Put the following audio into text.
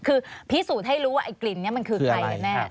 คือพิสูจน์ให้รู้ว่าไอ้กลิ่นนี้มันคือใครกันแน่